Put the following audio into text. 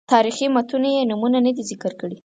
تاریخي متونو یې نومونه نه دي ذکر کړي.